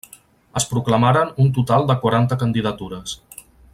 Es proclamaren un total de quaranta candidatures.